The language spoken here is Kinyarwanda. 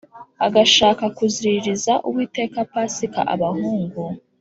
agashaka kuziriririza Uwiteka Pasika abahungu